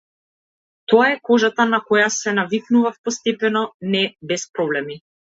Тоа е кожата на која се навикнував постепено, не без проблеми.